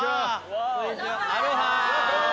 アロハ。